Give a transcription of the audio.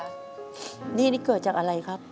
หนี้นี่เกิดจากอะไรครับ